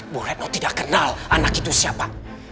bu retno tidak kenal anak itu siapa